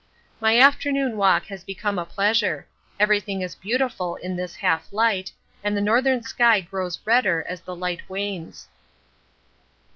My afternoon walk has become a pleasure; everything is beautiful in this half light and the northern sky grows redder as the light wanes.